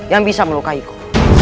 yang bisa melukai ku